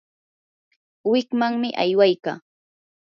wikmanmi aywaykaa.